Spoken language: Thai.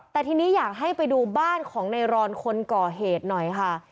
แต่ทีนี้อยากให้ไปดูบ้านของในรอนคนก่อเหตุหน่อยค่ะ